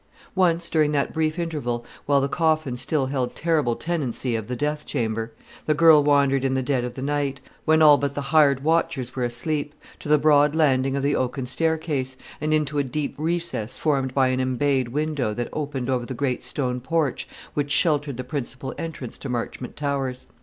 Once during that brief interval, while the coffin still held terrible tenancy of the death chamber, the girl wandered in the dead of the night, when all but the hired watchers were asleep, to the broad landing of the oaken staircase, and into a deep recess formed by an embayed window that opened over the great stone porch which sheltered the principal entrance to Marchmont Towers.